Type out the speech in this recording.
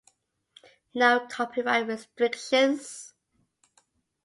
No copyright restrictions.